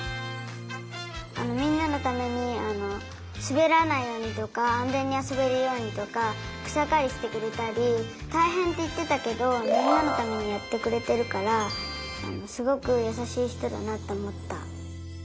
みんなのためにすべらないようにとかあんぜんにあそべるようにとかくさかりしてくれたりたいへんっていってたけどみんなのためにやってくれてるからすごくやさしいひとだなとおもった。